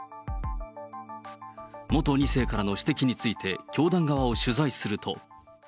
元２世からの指摘について教団側を取材すると。